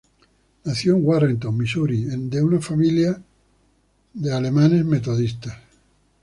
Nació en Warrenton, Missouri, en una familia de Alemanes Metodistas.